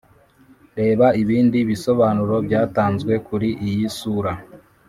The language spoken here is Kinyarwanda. reba ibindi bisobanuro byatanzwe kuri iyi sura